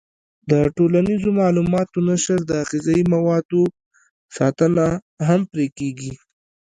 د ټولنیزو معلوماتو نشر او د غذایي موادو ساتنه هم پرې کېږي.